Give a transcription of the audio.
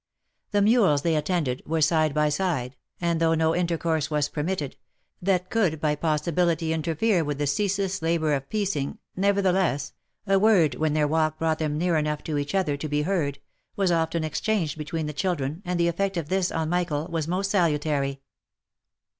The mules they attended, were side by side, and though no intercourse was permitted, that could by possibility in terfere with the ceaseless labour of piecing, nevertheless, a word when their walk brought them near enough to each other to be heard, was often exchanged between the children, and the effect of this on Michael, was most salutary.